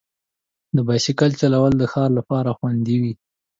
د بایسکل چلول د ښار لپاره خوندي وي.